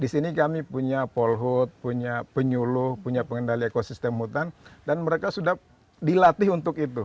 di sini kami punya polhut punya penyuluh punya pengendali ekosistem hutan dan mereka sudah dilatih untuk itu